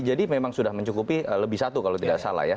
jadi memang sudah mencukupi lebih satu kalau tidak salah ya